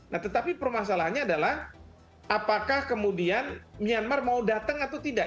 nah tetapi permasalahannya adalah apakah kemudian myanmar mau datang atau tidak